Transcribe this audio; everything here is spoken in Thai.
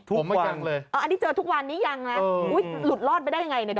ทุกวันเลยอันนี้เจอทุกวันนี้ยังนะหลุดรอดไปได้ยังไงในดอม